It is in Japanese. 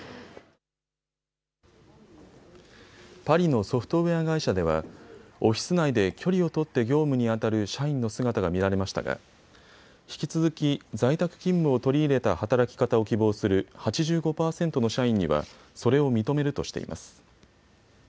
パリのソフトウエア会社ではオフィス内で距離を取って業務にあたる社員の姿が見られましたが引き続き在宅勤務を取り入れた働き方を希望する８５％の社員にはそれを認めるとしています。